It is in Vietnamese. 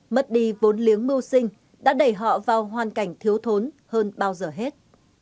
mất đi vốn liếng mưu sinh đã đẩy họ vào hoàn cảnh thiếu thốn hơn bao giờ hết